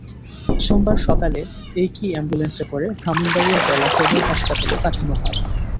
সোমবার সকালে একই অ্যাম্বুলেন্সে করে ব্রাহ্মণবাড়িয়া জেলা সদর হাসপাতালে পাঠানো হয়।